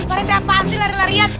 parete aduh parete apaan sih lari larian